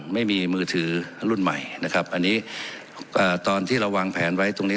ไม่มีมือถือรุ่นใหม่นะครับอันนี้ตอนที่เราวางแผนไว้ตรงนี้